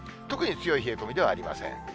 特に強い冷え込みではありません。